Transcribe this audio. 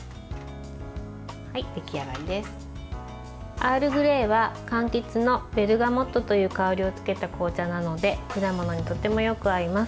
アールグレーはかんきつのベルガモットという香りをつけた紅茶なので果物にとてもよく合います。